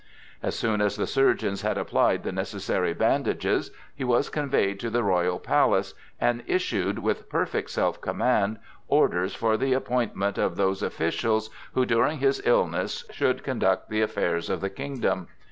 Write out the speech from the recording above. As soon as the surgeons had applied the necessary bandages, he was conveyed to the royal palace, and issued, with perfect self command, orders for the appointment of those officials who during his illness should conduct the affairs of the kingdom.